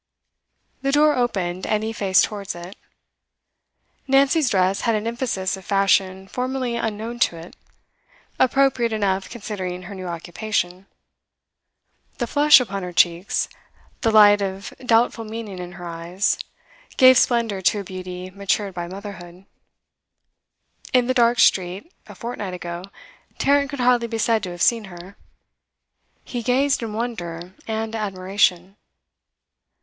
The door opened, and he faced towards it. Nancy's dress had an emphasis of fashion formerly unknown to it; appropriate enough considering her new occupation. The flush upon her cheeks, the light of doubtful meaning in her eyes, gave splendour to a beauty matured by motherhood. In the dark street, a fortnight ago, Tarrant could hardly be said to have seen her; he gazed in wonder and admiration.